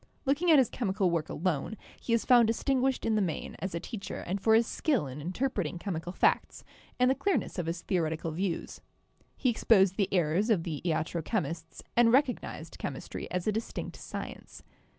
Look ing at his chemical work alone, he is found distinguished in the main as a teacher and for his skill in interpreting chemical facts and the clearness of his theoretical views. He exposed the errors of the iatro chemists and recognised chemistry as a distinct science.